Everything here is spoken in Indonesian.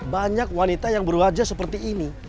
banyak wanita yang berwajah seperti ini